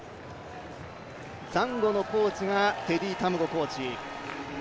ザンゴのコーチがテディ・タムゴーコーチ。